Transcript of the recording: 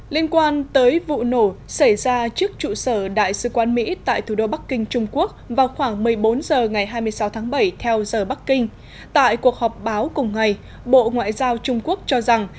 liên quan tới vụ nổ xảy ra trước trụ sở đại sứ quán mỹ tại thủ đô bắc kinh trung quốc vào khoảng một mươi bốn h ngày hai mươi sáu tháng bảy theo giờ bắc kinh tại cuộc họp báo cùng ngày bộ ngoại giao trung quốc cho rằng